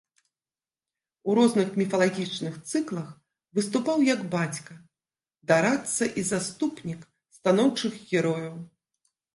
У розных міфалагічных цыклах выступаў як бацька, дарадца і заступнік станоўчых герояў.